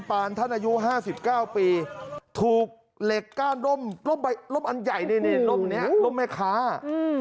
ปานท่านอายุห้าสิบเก้าปีถูกเหล็กก้านร่มร่มใบร่มอันใหญ่นี่นี่ร่มเนี้ยร่มแม่ค้าอืม